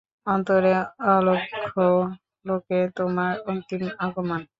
অন্তরে অলক্ষ্যলোকে তোমার অন্তিম আগমন।